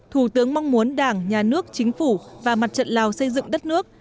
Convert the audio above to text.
thủ tướng mong muốn đảng nhà nước chính phủ và mặt trận lào xây dựng đất nước